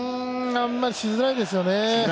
あんまりしづらいですよね。